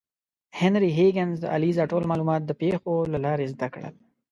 هنري هیګینز د الیزا ټول معلومات د پیښو له لارې زده کړل.